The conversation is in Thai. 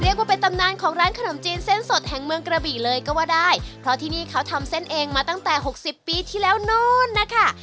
เรียกว่าเป็นตำนานของร้านขนมจีนเส้นสดแห่งเมืองกระบี่เลยก็ว่าได้เพราะที่นี่เขาทำเส้นเองมาตั้งแต่หกสิบปีที่แล้วนู้นนะคะ